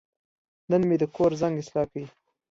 نن مې د کور زنګ اصلاح کړ.